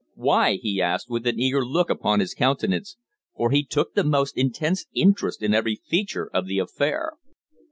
"Why?" he asked, with an eager look upon his countenance, for he took the most intense interest in every feature of the affair.